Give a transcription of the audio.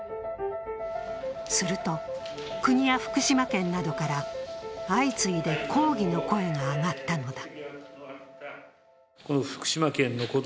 すると、国や福島県などから相次いで抗議の声が上がったのだ。